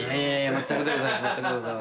まったくでございます。